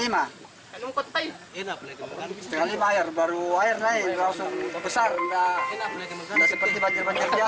tidak seperti banjir banjir biasa